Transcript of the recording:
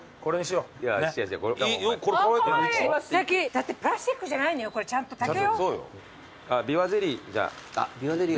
だってプラスチックじゃないのよちゃんと竹よ。